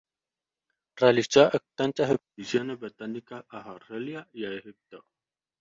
Realizó extensas expediciones botánicas a Argelia, y a Egipto.